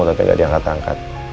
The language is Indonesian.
tapi gak diangkat angkat